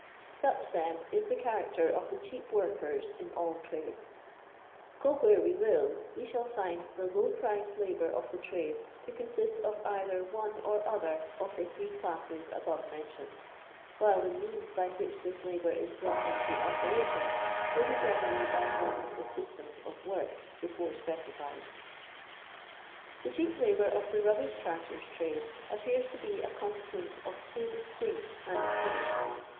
Such, then, is the chancter of the cheap workers in all trades ; go where we will, we shall find the low priced labour of the tride to consist of either one or other of the three classes alwve mentioned ; while the nifans by which this labour is brought into operation will be generally by one of the " systems of work" before specified. The cheap labour of the rubbish carters' trade appears to be a consequence of two distinct ante cedents, viz.